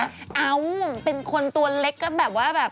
เอ้าเป็นคนตัวเล็กก็แบบว่าแบบ